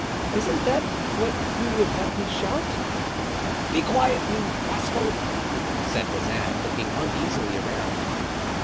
Isn't that what you would have me shout?" "Be quiet, you rascal!" said Bazin, looking uneasily around.